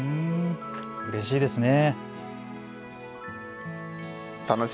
うれしいですね。